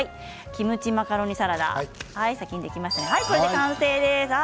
キムチマカロニサラダできましたね、完成です。